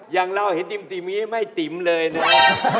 อย่างเล่าเห็นติมไม่ติมเลยเนี่ย